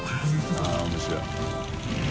あぁ面白い。